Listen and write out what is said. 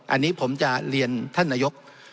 อันนี้ผมจะเรียนท่านนายก